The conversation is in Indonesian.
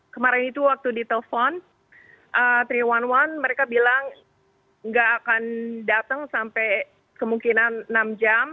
kemarin itu waktu di telpon tiga ratus sebelas mereka bilang nggak akan datang sampai kemungkinan enam jam